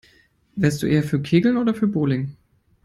Wärst du eher für Kegeln oder für Bowling?